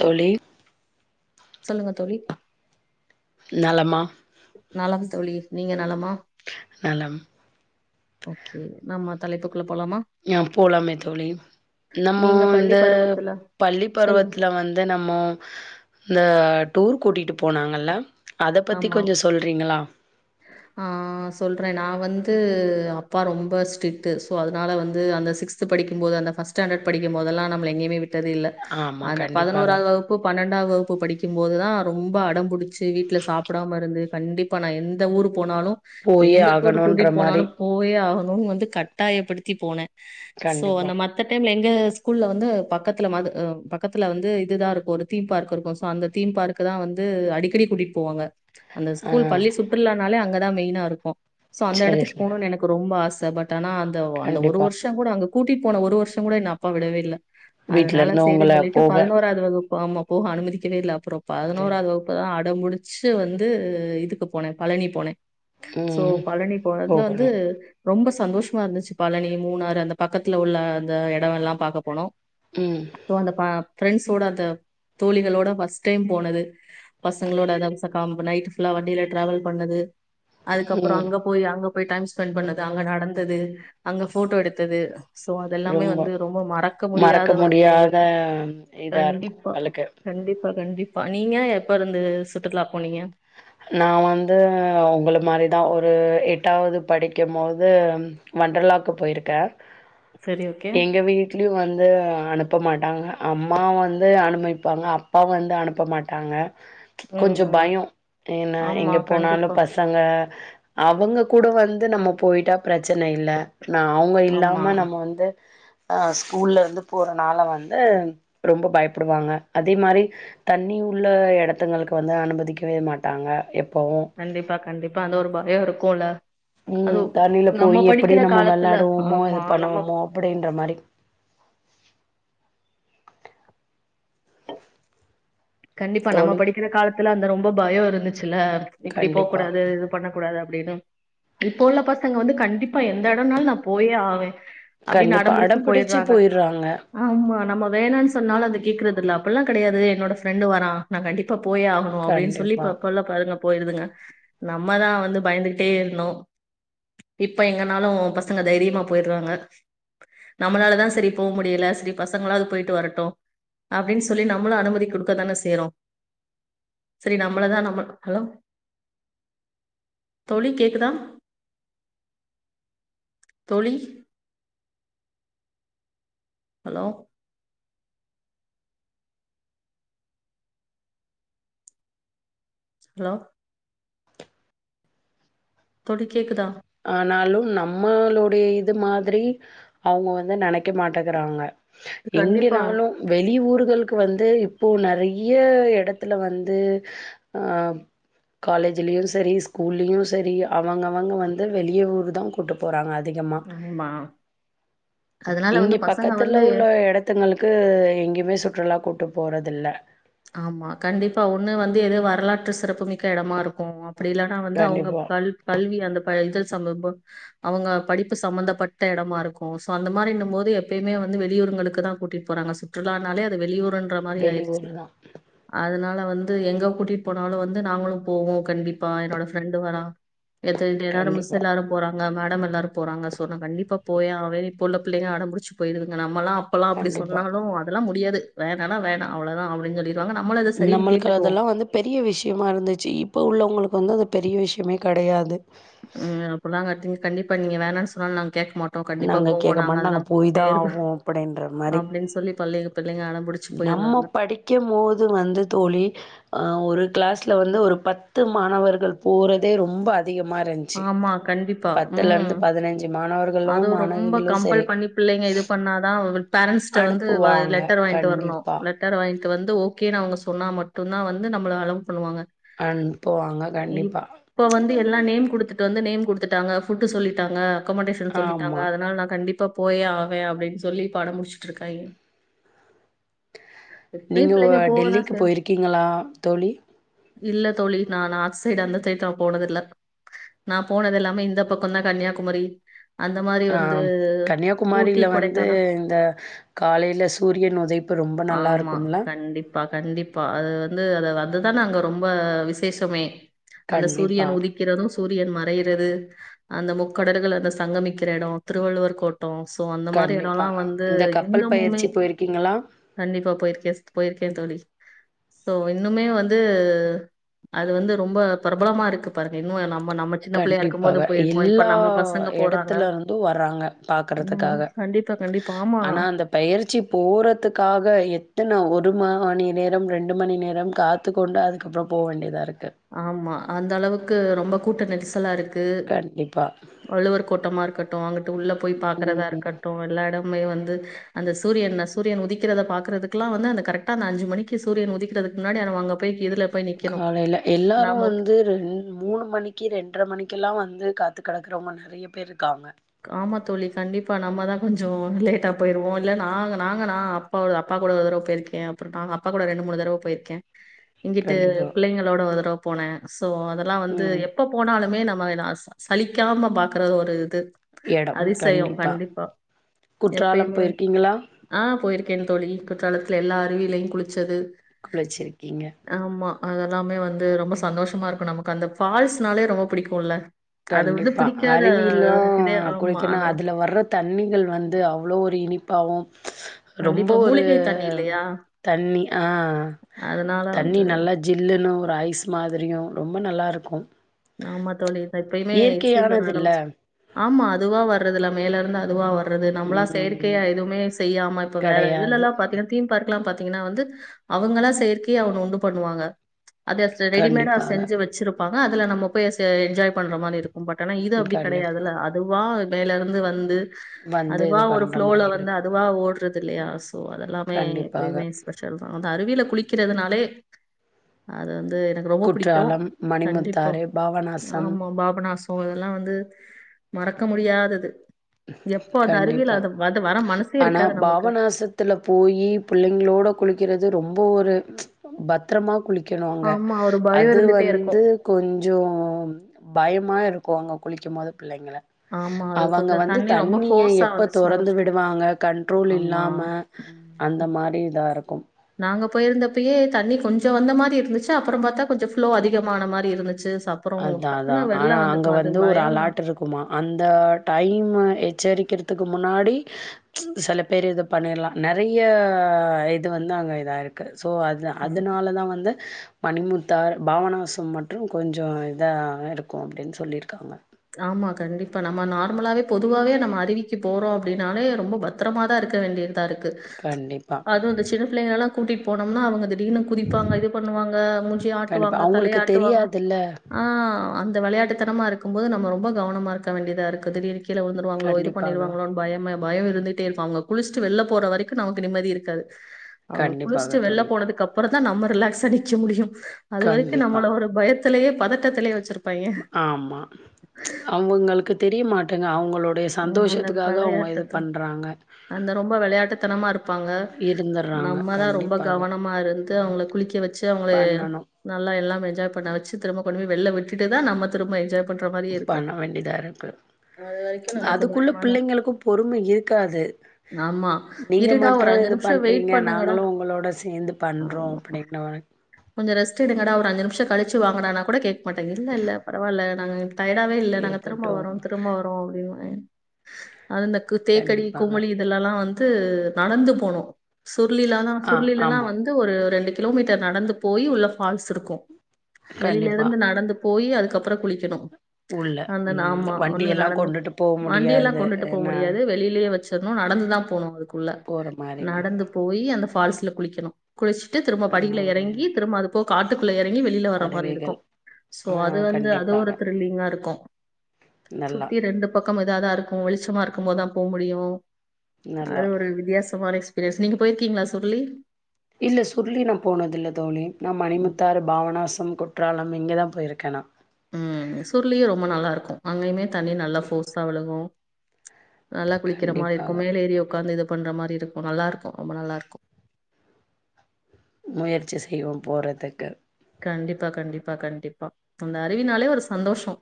தோழி சொல்லுங்க தோழி நலமா நலம் தோழி நீங்க நலமா நலம் ஓகே நம்ம தலைப்புக் ஆ போலாமே தோழி நம்மோ நீங்க பள்ளி இந்த பருவத்துல பள்ளி சொல்லுங்க பருவத்துல வந்து நம்மோ இந்த டூர் கூட்டிட்டு போனாங்கல்ல அத பத்தி ஆமா கொஞ்ச சொல்றீங்களா ஆ சொல்றேன் நான் வந்து அப்பா ரொம்ப ஸ்ட்ரிக்ட்டு சோ அதுனால வந்து அந்த சிக்ஸ்த்து படிக்கும்போது அந்த ஃபஸ்ட் ஸ்டாண்டர்ட் படிக் கும்போதெல்லா நம்மள எங்கயுமே விட்டது இல்ல ஆமா அந்த கண்டிப்பாக பதுனோராவது வகுப்பு பன்னெண்டாம் வகுப்பு படிக் க்கும் போதுதா ரொம்ப அடம்புடிச்சு வீட்ல சாப்டாம இருந்து கண்டிப்பா நா எந்த ஊருக் போனாலு போயே எங்க டூர் ஆகணுன்ற கூட்டிட்டு போனாலு மாரி போயே ஆகணுனு வந்து கட்டாயப்படுத்தி போனே சோ கண்டிப்பா அந்த மத்த டைம்ல எங் ங்க ஸ்கூல்ல வந்து பக்கத்துல மது அ பக்கத்துல வந்து இதுதா இருக்கு அந்த தீம் பார்க் இருக்கு சோ அந்த தீம் பார்க்க தா வந்து அடிக்கடி கூட்டிட்டு போவாங்க அந்த ஆ ஸ்கூல் பள்ளி சுற்றுலானாலே அங்கதா மெயினா இருக்கு சோ அந்த சரி எடத்துக்கு சரி போணுன் எனக்கு ரொம்ப ஆச பட் ஆனா அந்தவ் அந்த ஒரு கண்டிப்பா வர்ஷங் கூட அங்க கூட்டிட் போன ஒரு வர்ஷங் கூட எங்க அப்பா விடவே இல்ல வீட்ல அதனால இருந்து உங்கள சேரின் சொல்லிட்டு போக பதுனோராவது வகுப் ஆமா போக அனுமதிக்கவே இல்ல அப்றோ இது பதினோராது வகுப்புதா அடம்புடி ச்சு வந்து இதுக்கு போனே பழனி போனே சோ ம் பழனி போ அதுல வந்து போகணு ரொம்ப ஸ் சந்தோஷமா இருந்துச்சு பழனி மூணாறு அந்த பக்கத்துல உள்ள அந்த எடோ எல்லா பாக்க போனோ ம் அப்போ அந்தப் பா ஃப்ரெண்ட்ஸ்ஸோட அந்த தோழிகளோட ஃபஸ்ட் டைம் போனது பசங்களோட அதாது த காம்பு நைட்டு ஃபுல்லா வண்டில ட்ராவல் பண்ணது அதுக்கப்பறோ ம் அங்க போய் அங்கப் போய் டைம் ஸ்பெண்ட் பண்ணது அங்க நடந்தது அங்க ஃபோட்டோ எடுத்தது சோ அதெல்லாமே வந்து ரொம்ப மறக்க முடியாத ஒரு நினைவுகள் இதா இருக்கு கண்டிப்பா உங்களுக்கு கண்டிப்பா கண்டிப்பா நீங்க எப்பருந்து சுட்டுக்லா நா வந்து அ ஒங்கள மாரிதா ஒரு எட் எட்டாவது படிக்கும்போது வண்டர்லாவுக்கு போயிருக்கே சரி ஓகே எங்க வீட்லியு வந்து அனுப் அனுப்ப மாட்டாங்க அம்மா வந்து அனுமதிப்பாங்க அப்பா வந்து அனுப்ப மாட்டாங்க ம் கொஞ்சோ ம் பயோ ஏனா ஆமா எங்க போனாலு கண்டிப்பா பசங்க அவங்க கூட வந்து நம்ம போயிட்டா பிரச்சன இல்ல நா அவுங்க ஆமா இல்லாம நம்ம வந்து அ ஸ்கூல்லருந்து போறனால வந்து ரொம்ப பயப்படுவாங்க அதே மாரி தண்ணி உள்ள எடத்துங்குளுக்கு வந்து அனுமதிக்கவே மாட்டாங்க எப் கண்டிப்பா கண்டிப்பா அந்த ஒரு பயோ இருக்குல ம் தண்ணில போயி எப்டி நம்ம காலத்துல வெள்ளாடுவோமோ இது ஆமா நம்ம பண்ணுவோமோ அப்டின்ற மாரி கண்டிப்பா நம்ம தோழி படிக்கற காலத்துல அந்த ரொம்ப பயோ இருந்துச்சுல்ல இப்டி போ கண்டிப்பா கூடாது இது பண்ண கூடாது அப்டின்னு இப்போ உள்ள பசங்க வந்து கண்டிப்பா எந்த எடனாலு நா போயே ஆவே அப்டின் கண்டிப்பா அடம் புடுச்சு அடம்பிடிச்சு போயிர்றாங்க ஆமா நம்ம வேணான் சொன்னாலு அதுக் கேக்குறதுல்ல அப்புல்லா கெடையாது என்னோட ஃப்ரெண்டு வரா நா கண்டிப் இப்ப போயே ஆகுணு அப்டின் சொல்லி கண்டிப்பா ப்ப இப்புள்ள [unintelligible] போயிருதுங்க நம்மதா வந்து பயந்துகிட்டே இருந்தோ இப்ப எங்கனாலு பசங்க தைரியமா போயிர்ராங்க நம்ளாலதா செரி போ முடில செரி பசங்களாது போயிட்டு வரட்டு அப்டின் சொல்லி நம்லு அனுமதி குடுக் க்க தான செய்றோ செரி நம்மளதா நம்ம ஹலோ தோழி கேக்கு தா தோழி ஹலோ ஹலோ தோழி கேக்குதா ஆனாலு நம்மளோடய இது மாதிரி அவுங்க வந்து நெனைக்க மாட்ட கறாங்க கண்டிப்பா. எங்கினாலு வெளி ஊர் களுக்கு வந்து இப்போ நெறய எடத்துல வந்து ஆ காலேஜ்லியு செரி ஸ்கூல்லியு செரி அவங்கவங்க வந்து வெளிய ஊரு தா கூட்டு போறாங்க அது [unintelligible] ம்மா இங்க பக்கத்துல உள்ள எடத்துங்களுக்கு இங் கிமே சுற்றுலா கூட்டு போறதில்ல ஆமா கண்டிப்பா ஒன்னு வந்து எதோ வரலாற்று சிறப்பு மிக்க எடமாருக்கு அப்டி இல்லனா வந்து அவுங்க கண்டிப்பா. கல் கல்வி அத ப்ப இது சம்ப ப அவங்க படிப்பு சம்பந்தப்பட்ட எடமாருக்கு சோ அந்த மாரிங்கபோது போது எப்பியுமே வந் வந்து வெளியூருங்களுக்கு தா கூட்டிட் போறாங்க சுற்றுலானாலே அது வெளியூறுந் வெளி ஊரு தா அதுனால வந்து எங்க கூட்டிட் போனாலு வந்து நாங்களு போவோ கண்டிப்பா என்னோட ஃப்ரெண்டு வரா எத்த [unintelligible] எல்லாரு மிஸ் கண்டிப்பா, எல்லாரு போறாங்க க மேடம் எல்லாரு போறாங்க சோ நா கண்டிப்பா போயே ஆவே இப்போ உள்ள புள்ளைங்க அடம் புடுச்சு போயிருதுங்க நா நம்மல்லா அப்பல்லா அப்டி கண்டிப்பா. சொன்னாலு அதெல்லா முடியாது வேணானா வேணா அவ்ளதா அப்டின் சொல்லி நம்மளுக்கு அதெல்லா வந்து பெரிய விஷ்யமாருந்துச்சு இப்ப உள்ளவுங்களுக் இப்ப வந்து அது ஒரு பெரிய விஷ்யமே கெடயாது ம் அப்பலாங் காட்டி ங் கண்டிப்பா நீங்க வேணான் சொன்னா நாங்க கேக்க மாட் டோ கண்டிப்பா நாங்க போவோ கேட்க நாங்க மாட்டோம். அதெல்லா போய் தான் பேரு ஆவோம் அப்படின்ற [unintelligible] மாரி. அப்டின் சொல்லி பள்ளி பிள்ளைங்க அடம்பிடிச்சு போய்ரு நம்ம படிக்கும் போது வந்து தோழி அ ஒரு கிளாஸ் ல வந்து ஒரு பத்து மாணவர்கள் போறதே ரொம்ப அ திகமாருந்ச்சு ஆமா கண்டிப்பா பத்துலருந்து ம் பதினஞ்சு மாண அதுவு ரொம்ப கம்பல் பண்ணி பிள்ளைங்க இது பண்ணாதா வி பேரண்ஸ்ட்ட வந்து வ அனுப்புவாங்க. லெட்டர் வாய்ன்டு வரணு கண்டிப்பா. லெட்டர் வாயின் வந்து ஓகேன் அவுங்க சொன்னா மட்டுந்தா வந்து நம்மள அளவ் பண்ணுவாங்க அனுப்புவாங்க கண்டிப்பா. இப்ப வந்து எல்லா நேம் குடுத்து டு வந்து நேம் குடுத்துட்டாங்க ஃபுட்டு சொல்லிட்டாங்க அக்கமடேஷன் சொல்லிட்டாங்க ஆமா. அதனால் நா கண்டிப் இப்ப போயே ஆவே அப்டின் சொல்லி இப்ப அட முடுச்சுட்ருக்காய்க நீங்க ஒ டெல்லிக்கு போய்ருக்கீங்களா தோழி இல்ல தோழி நா நாக் சைட் அந்த தைத் நா போனதில்ல நா போனதெல்லாமே இந்த பக்கொந்தா கன்யாகுமரி ஆ கன்யாகுமாரில வந்து கொடைக்கானல். இந்த காலைல சூரியன் உதைப்பு ரொம்ப நல்லா ஆமா இருக்கும்ல? கண்டிப்பா கண்டிப்பா அது வந்து அத வந் அதுதான அங்க ரொம்ப விசேஷமே அந்த கண்டிப்பா, சூரியன் உதிக்கிறது சூரியன் மறயிறது அந்த முக்கடற்கள் அந்த சங்கமிக்கிற எடொ திருவள்ளுவர் கோட் தோ சோ அந்த மாரி கண்டிப்பா. எடொலா வந்து இந்த கப்பல் இந்தமுமே பயிற்சி போயிருக்கீங்களா? கண்டிப்பா போயிருக்கேஸ்டு போயிருக்கே தோழி சோ இன்னுமே வந்து அது வந்து ரொம்ப பிரபலமாருக்கு பாருங்க இன்னு ய நம் நம்ம சின்ன பிள்ளையாருக்கும்போது போயிருக்கோ இப்ப நம்ம பசங்க போறாங்க எடத்துலருந்து வர்றாங்க ம் பாக்கறதுக்காக கண்டிப்பா கண்டிப்பா ஆமா ஆனா அந்த பயற்சி போறதுக்காக எத்தன ஒரு மாஹானி நேரம் ரெண்டு மணி நேரம் காத்து கொண்டு அதுக்கப்பற போ வேண்டியதாருக் ஆமா அந்த அளவுக்கு ரொம்ப கூட்ட நெட்சலாருக் டு கண்டிப்பா. வள்ளுவர் கோட்டமாருக்கட்டு அங்குட்டு உள்ள போய் ம். பாக்குறதாருக்கட்டு எல்லா எட மே வந்து அந்த சூரியன்ன சூரியன் உதிக்கிறத பாக்றதுக்லா வந்து அந்த கரெக்டா அந்த அஞ்சு மணிக்கு சூரியன் உதிக்றது அதுக் முன்னாடி ஆனவ் அங்க போய் கிதுர்ல போய் நிக்கணு காலையில எல்லாரு நாம வந்து ரெண் மூணு மணிக்கி ரெண்ர மணிக்கெல்லா வந்து கந் த்து கடக்குறவுங்க நறய பேருக்காங்க காமா தோழி கண்டிப்பா நம்மதா கொஞ்சொ லேட்டா போயிருவோ இல்ல நாங்க நாங்க நா அப்பாவுத அப்பா நா கூட ஒரு தர்வ பேர்க்கே அப்பற டாங்க அப்பா கூட ரெண்டு மூணு தரவ போயிர்க்கே இங்கிட்டு கண்டிப்பா பிள்ளைங்களோட ஒர் தடவ போனே சோ அதல்லா வந்து ம் எப்ப போனாலுமே நம் மைனாஸ் சலிக்காம பாக்கறது ஒரு இது அதிசயொ கண்டிப்பா குற்றாலம் எப்பயுமே வந் போயிருக்கீங்களா ஆ போயிருக் கென் தோழி குற்றாலத்ல எல்லா அருவிலையு குளிச்சது குளச்சிருக்கீங்க அதல்லாமே வந்து ரொம்ப சந்தோஷமாருக்கு நமக்கு அந்த ஃபால்ஸ்னாலே ரொம்ப பிடிக்குல்ல கண்டிப்பா அருவிலோ இதே ஆமா குளிக்கனா அத அதுல வர்ற தண்ணிகள் வந்து அவ்ளோ ஒரு இனிப்பாவு ரொம்ப கண்டிப்பா ஒரு மூலிகை தண்ணி இல்லையா தண்ணி ஆ அதனால தண்ணி வந்து நல்லா ஜில்லுனு ரைஸ் மாதுரியு ரொம்ப நல்லாருக்கு நாமா தோழி தர்க்கையுமே சீசன் இல்ல ஆரம்ச்சு ஆமா துவா வர்ரதுல மேலர்ந்து அதுவா வர் ட்றது நம்பளா செயற்கையா ம் எதுமே செய்யாம இப்ப வேல கெடையாது இதுலலா பாத்தினா தீம்பார்க்லா பாத் திங்கனா வந்து அவுங்களா செயற்கியா ஒன்னு உண்டு பண்ணுவாங்க அது அஸ்ட ரெடிமேடா கண்டிப்பாக செஞ்ச வெச்சிருப்பாங்க அதுல நம்ம போய் எசே என்ஜாய் பண்ற மாரி இருக் உம் பட்னா இது அப்டி கண்டிப்பா கடையாதுல அதுவா மேலருந்து வந்து வந்து அதுவா இது ஒரு பண்ற ஃப்ளோல மாரி வந்து இருக்கும் அதுவா ஓட்றதுல்லியா ஒ அதல்லாமே கண்டிப்பாக எப்பயுமே ஸ்பெஷல் தா அந்த அருவில குளிக்கிறதுனாலே அது வந் து எனகு ரொம்ப பிடிக்கு குற்றாலம் கண்டிப்பா மணிமுத்தாறு பாபநாசம் ஆமா பாபநாசொ இதல்லா வந்து மறக்க முடியாதது எப்போ அத்த அருவியல கண்டிப்பா அத [unintelligible] ஆனா பாவநாசத்துல போயி புள்ளைங்ளோட குளிக்கிறது ரொம் ஒரு பத்திரமா குளிக் குளிக்கனும்ங்க ஆமா ஒரு பயம் அது இருந்துட்டே வந்து இருக்கும் கொஞ்சசொ பயமா இருக்கு போங்க குளிக்கும் போது பிள்ளைங்கள ஆமா அது அவங்க கொஞ்சம் வந்து வந்து தண்ணி ரொம்ப தண்ணியை ஃபோர்ஸா எப்போ வந்துச்சுன்னா துறந்து கஷ்டம் விடுவாங்க கண்ட்ரோல் ஆமா இல்லாம அந்த உம் மாதிரி இதாக இருக்கும் நாங்க போயிருந்தப்பயே தண்ணி கொஞ்சம் வந்த மாதிரி இருந்துச்சு அப்புறம் பார்த்தா கொஞ்சம் ப்ளோ அதிகமான மாதிரி இருந்துச்சு அப்புறம் அதான் டக்குன்னு அதான் வெளில ஆனா அங்க வந்துட்டோம் அது வந்து ஒரு பயம் தான் அலா்ட் இருக்குமா அந்த டைம் எச்சரிக் வைக்கிறதுக்கு முன்னாடி சில பேர் இது பண்ணிடலாம் நிறைய இது வந்து அங்கே இதாகிருக்கு சோ அது அதனால தான் வந்து மணிமுத்தார் பாவநாசம் மற்றும் கொஞ்ச கொஞ்ச இதா இருக்கும் அப்படின்னு சொல்லியிருக்காங்க ஆமா கண்டிப்பா நம்ம நார்மலாவே பொதுவாவே நம்ம அறிவிக்கு போறோம் அப்படின்னாலே ரொம்ப பத்திரமாதான் இருக்க வேண்டியருக்கு இதா இருக்கு கண்டிப்பா, அதுவும் இந்த சின்ன பிள்ளைங்க எல்லாம் கூட்டிட்டு போனோம்னா அவங்க திடீர்னு குதிப்பாங்க இது பண்ணுவாங்க மூஞ்சி கண்டிப்பா. ஆட்டுவாங்க தலைய அவங்களுக்கு ஆட்டுவாங்க தெரியாதுல்ல. ஆஹ் அந் விளையாட்டுத்தனமா இருக்கும் போது நம்ம ரொம்ப கவனமாக இருக்க வேண்டியாதா இருக் திடிர் கீழ விழுந்துருவங்களோ இது கண்டிப்பாக, பண்ணிவாங்களோ பயமே பயம் இருந்துட்டே இருப்ப அவங்க குளிச்சுட்டு வெளில போற வரைக்கு நமக்கு நிம்மதி இருக்காது அவங்க கண்டிப்பாக குளிச்சுட்டு வெளில தோழி. போனதுக்கு அப்பு அப்பறம் தான் நம்ம ரிலாக்ஸா நிக்க முடியும் அது வரைக்கும் கண்டிப்பா. நம்ம ஒரு பயத்திலயே பதட்டத்திலே வச்சிருக் ஆமா அவங்களுக்கு தெரிய மாட்டேங்குது அவங்க ம் அந்த இது விளையாட்டுத்தனம் பண்றாங்க. அந்த ரொம்ப விளையாட்டுத்தனமா இருப்பாங்க இருந்துர்றாங்க நம்மதான் ரொம்ப கண்டிப்பாக கவனமா இருந்து அவங்கள குளிக்க வச்சு அவங்கள பண்ணணு நல்லா எல்லாமே என்ஜாய் பண்ண வச்சு திரும்ப கொண்டு போ வெள்ள விட்டுட்டு தான் நம திரும்ப என்ஜாய் பண்ற மாரியே இருக்கும் பண்ண வேண்டியதா இருக்கு அது வரைக்கும் நமக்கு அதுக்குள்ள பயமாதான் பிள்ளைங்களுக்கு பொறுமை இருக்காது ஆமா நீங்க இருடா ஒரு மட்டும் அஞ்சு இது நிமிஷம் வெயிட் பண்றீங்க பண்ணுங்கடா நாங்களும் உங்களோட சேர்ந்து பண்றோம் ஆமா அப்டீனுவாங்க கொஞ்சம் ரெஸ்ட் எடுங்கடா ஒரு அஞ்சு நிமிஷம் கழிச்சு வாங்கடானு கூட கேட்க மாட்டங்க இல்ல இல்ல பரவாயில்ல நாங்க டய்டாவே இல்ல நாங்க திரும்ப இருக்கட்டு வரோம் திரும்ப வரோம் அப்படின்னுவாங்க அது இந்த தேக்கடி கண்டிப்பாக குமளி இதெல்லல்லாம் வந்து நடந்து போனும் சுருளில தான் ஆ சுருளில எல்லாம் ஆமா வந்து ஒரு ரெண்டு கிலோமீட்டர் நடந்து போய் உள்ள பால்ஸ் இருக்கு இருக்கு வெளியில கண்டிப்பா இருந்து நடந்து போய் அதுக்கப்புறம் குளிக்கணு உள்ள அந்த ம் ஆமா வண்டி உள்ள எல்லா நடந்து கொண்டுட்டு போ வண்டியெல்லாம் முடியாது கொண்டுட்டு போக ஏன்னா முடியாது வெளியிலேயே வச்சு நடந்துதான் போணும் அதுக்குள்ள போற மாரி நடந்து போய் அந்த பால்ஸ்ல குளிக்கணும் குளிச்சிட்டு திரும்ப ஆ படில இறங்கி போ காட்டுக்குள்ளே வெளியில வர மாதிரி அருவிகள் இருக்கும் சோ ஆ அது வந்து அது ஒரு கண்டிப்பாக திரில்லிங்கா இருக்கு நல்லா சுத்தி ரெண்டு பக்கமும் ஏதாது இருக்கும் வெளிச்சமா இருக்கும்போதுதான் போக முடியும் நல்லா அது ஒரு வித்தியாசமான எக்ஸ் பீரியன்ஸ் நீங்க போயிருக்கீங்களா சுருளி இல்ல சுருளி நான் போனது இல்ல தோழி ந ம். மணிமுத்தாறு பாவநாசம் கொட் ற்றறாலம் இங்கே தான் போயிருக்கண்ணா ம். சுருளியும் ரொம்ப நல்லாருக்கும். அங்கேயுமே தண்ணி நல்லா போர்ஸாக விழுகு நல்லா குளிக்கிற மாதிரி இருக்கும் கண்டிப்பாக மேலே ஏரி உட்காந்து இது பண்ற மாதிரி இருக்கு நல்லா இருக்கு ரொம்ப நல்லா இருக்கு முயற்சி செய்வோம் போறதுக்கு கண்டிப்பா கண்டிப்பா கண்டிப்பா அந்த அறிவினாலே ஒரு சந்தோஷம்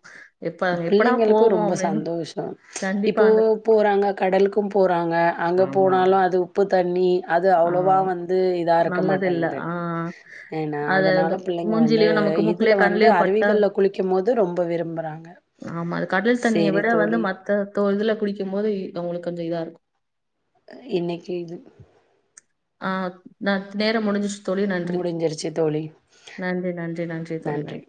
எப்ப எப்படா பிள்ளைங்களுக்கும் போவோம் ரொம்ப அப்டின்னு சந்தோஷம் கண்டிப்பா இப்போ அந்த போறாங்க கடலுக்கும் போற றாங்க அங்க ஆமா. போனாலும் அது உப்பு தண்ணி அது ஆ அவ்வளோவா வந்து இதா இருக்க நல்லது இல்ல. மாட்டேங்குது ஆ. ஏன்னா அது அதனால அந்த பிள்ளைங்க வந்து மூஞ்சிலயோ நமக்கு இதுல மூக்குலயோ வந்து கண்லயோ பட்டா அருவிகள்ல குளிக்கும் போது ரொம்ப விரும்புறாங்க ஆமா அது கடல் தண்ணியை சேரி விட வந்து தோழி மத்த தோ இதுல குளிக்ககும் போது அவங்களுக்கு கொஞ்சம் இதா இருக்கு என்னைக்கு இது ஆ நான் நேரம் முடிஞ்சுச்ச தோழி நன்றி முடிஞ்சிருச்சு தோழி நன்றி நன்றி நன்றி தோழி நன்